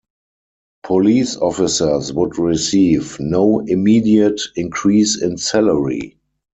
Police officers would receive no immediate increase in salary.